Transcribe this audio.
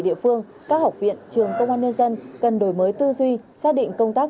địa phương các học viện trường công an nhân dân cần đổi mới tư duy xác định công tác